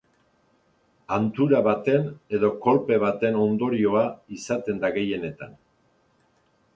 Hantura baten edo kolpe baten ondorioa izaten da gehienetan.